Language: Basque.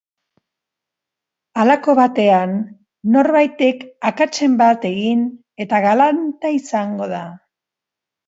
Halako batean, norbaitek akatsen bat egin eta galanta izango da.